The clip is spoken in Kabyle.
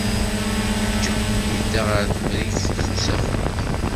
John yedda ɣer Temrikt s usafag.